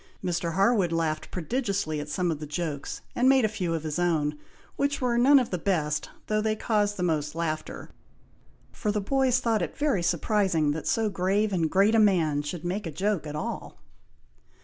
Mr. Harwood laughed prodigiously at some of the jokes, and made a few of his own, which were none of the best, though they caused the most laughter, for the boys thought it very surprising that so grave and great a man should make a joke at all.